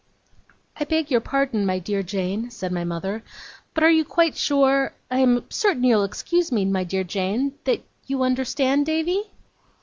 'I beg your pardon, my dear Jane,' said my mother, 'but are you quite sure I am certain you'll excuse me, my dear Jane that you understand Davy?